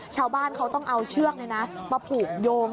ชาวบ้านเขาต้องเอาเชือกมาผูกโยง